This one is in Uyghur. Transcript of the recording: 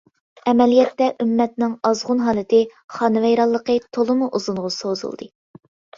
ئەمەلىيەتتە، ئۈممەتنىڭ ئازغۇن ھالىتى، خانىۋەيرانلىقى تولىمۇ ئۇزۇنغا سوزۇلدى.